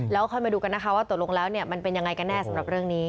แล้วค่อยมาดูช่วงตกลงแล้วจะเป็นยังไงแน่สำหรับเรื่องนี้